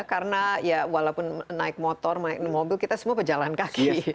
karena walaupun naik motor naik mobil kita semua pejalan kaki